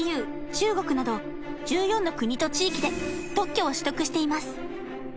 中国など１４の国と地域で特許を取得しています